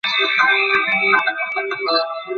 তাহাকে পিল খাইতে বল পিল খাইবে, বিবাহ করিতে বল বিবাহ করিবে।